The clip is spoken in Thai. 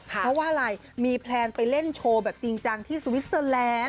เพราะว่าอะไรมีแพลนไปเล่นโชว์แบบจริงจังที่สวิสเตอร์แลนด์